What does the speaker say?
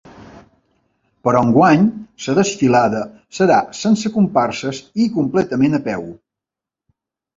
Però enguany la desfilada serà sense comparses i completament a peu.